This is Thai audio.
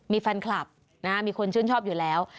มีแฟนคลับมีคนชื่นชอบอยู่แล้ว